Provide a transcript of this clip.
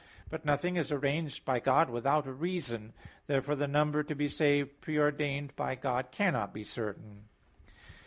But nothing is arranged by God without a reason. Therefore the number to be saved pre ordained by God cannot be certain.